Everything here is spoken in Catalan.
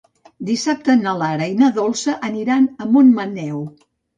Dissabte na Lara i na Dolça aniran a Montmaneu.